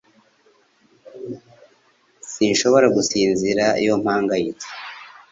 Sinshobora gusinzira iyo mpangayitse